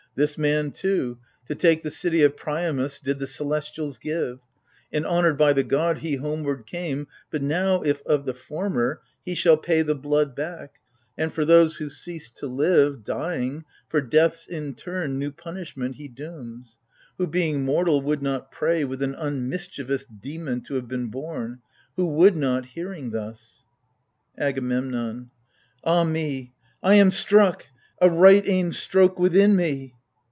This man, too, AGAMEMNON. 115 To take the city of Priamos did the celestials give, And, honored by the god, he homeward comes ; But now if, of the former, he shall pay The blood back, and, for those who ceased to live, Dying, for deaths in turn new punishment he dooms — Who, being mortal, would not pray With an unmischievous Daimon to have been born— who would not, hearing thus ? AGAMEMNON. Ah me ! I am struck — a right aimed stroke within me